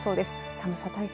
寒さ対策